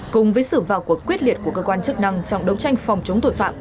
cùng với sự vào cuộc quyết liệt của cơ quan chức năng trong đấu tranh phòng chống tội phạm